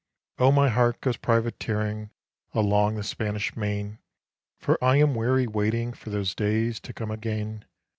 Oh, my heart goes privateering along the Spanish Main, For I am weary waiting for those days to come again.